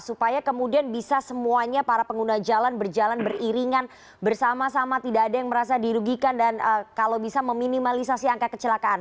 supaya kemudian bisa semuanya para pengguna jalan berjalan beriringan bersama sama tidak ada yang merasa dirugikan dan kalau bisa meminimalisasi angka kecelakaan